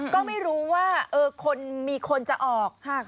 ก็ไม่รู้ว่าคนมีคนจะออก